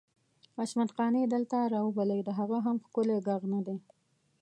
عصمت قانع دلته راوبلئ د هغه هم ښکلی ږغ ندی؟!